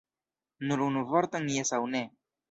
Nur unu vorton jes aŭ ne!